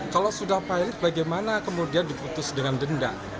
kalau sudah pilot bagaimana kemudian diputus dengan denda